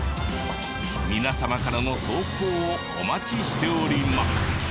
皆様からの投稿をお待ちしております。